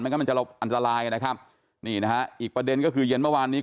งั้นมันจะเราอันตรายนะครับนี่นะฮะอีกประเด็นก็คือเย็นเมื่อวานนี้